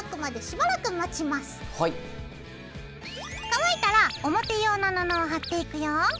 乾いたら表用の布を貼っていくよ。